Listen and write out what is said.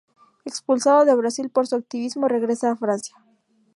Expulsado de Brasil por su activismo, regresa a Francia.